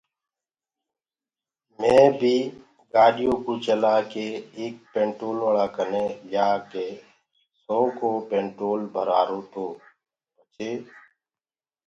مي بي گآڏيو ڪوُ چلآڪي ايڪ پينٽولوآݪآ ڪني ليآڪي سو ڪو پينٽول ڀرآرو تو پڇي